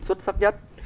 xuất sắc nhất